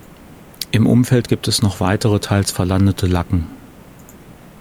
Im Umfeld gibt es noch weitere teils verlandete Lacken.